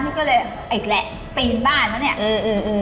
พี่ก็เลยอีกแหละปีนบ้านแล้วเนี่ย